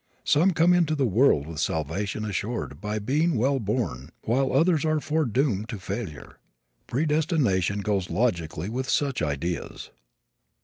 Some come into the world with salvation assured by being well born while others are foredoomed to failure. Predestination goes logically with such ideas.